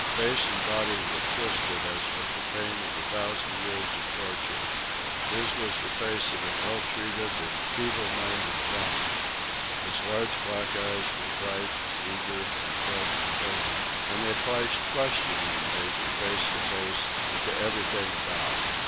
Face and body were twisted as with the pain of a thousand years of torture. His was the face of an ill treated and feeble minded faun. His large black eyes were bright, eager, and filled with pain; and they flashed questioningly from face to face and to everything about.